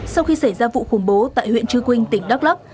sau khi xảy ra vụ khủng bố tại huyện trư quynh tỉnh đắk lắc